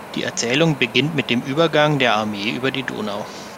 Die Erzählung beginnt mit dem Übergang der Armee über die Donau.